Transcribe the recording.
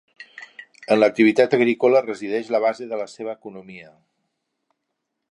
En l'activitat agrícola resideix la base de la seva economia.